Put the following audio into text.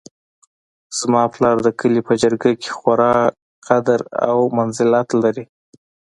زما پلار د کلي په جرګه کې خورا قدر او منزلت لري